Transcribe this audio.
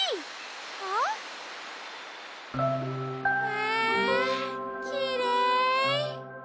わきれい。